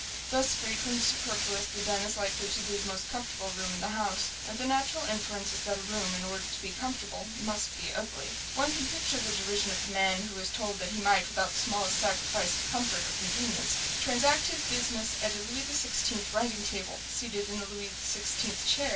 Thus freed from the superfluous, the den is likely to be the most comfortable room in the house; and the natural inference is that a room, in order to be comfortable, must be ugly. One can picture the derision of the man who is told that he might, without the smallest sacrifice of comfort or convenience, transact his business at a Louis XVI writing table, seated in a Louis XVI chair!